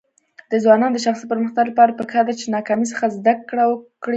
د ځوانانو د شخصي پرمختګ لپاره پکار ده چې ناکامۍ څخه زده کړه وکړي.